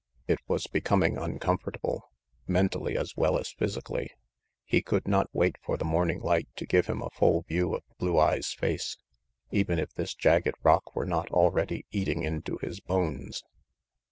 It was becoming uncomfortable, mentally as well as physically. He could not wait for the morning light to give him a full view of Blue Eyes' face, even if this jagged rock were not already eating into his bones.